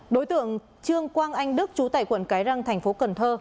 đối tượng trương quang anh đức chú tài quận cái răng tp cần thơ